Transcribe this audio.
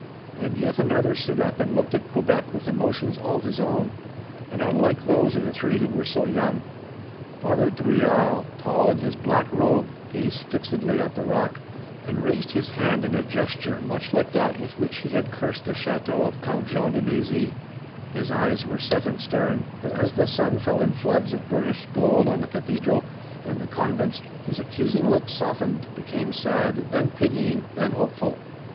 And yet another stood up and looked at Quebec, with emotions all his own, and unlike those of the three who were so young. Father Drouillard, tall in his black robe, gazed fixedly at the rock, and raised his hand in a gesture much like that with which he had cursed the chateau of Count Jean de Mézy. His eyes were set and stern, but, as the sun fell in floods of burnished gold on the cathedral and the convents, his accusing look softened, became sad, then pitying, then hopeful.